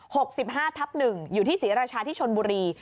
หกสิบห้าทับหนึ่งอยู่ที่ศรีราชาที่ชนบุรี